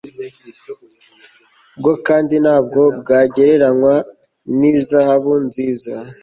bwo kandi ntabwo bwagereranywa n izahabu nziza